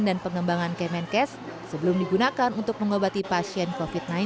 dan pengembangan kemenkes sebelum digunakan untuk mengobati pasien kofit sembilan belas dari dua puluh empat